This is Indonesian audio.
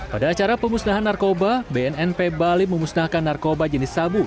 pada acara pemusnahan narkoba bnnp bali memusnahkan narkoba jenis sabu